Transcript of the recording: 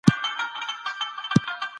خوب د بدن لپاره اساسي اړتیا ده.